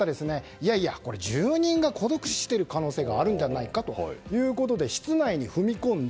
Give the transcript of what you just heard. いやいや、住人が孤独死している可能性があるんじゃないかということで室内に踏み込んだ。